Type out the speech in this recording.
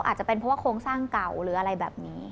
อาจจะเป็นเพราะว่าโครงสร้างเก่าหรืออะไรแบบนี้